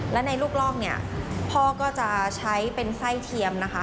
และในลูกลอกเนี่ยพ่อก็จะใช้เป็นไส้เทียมนะคะ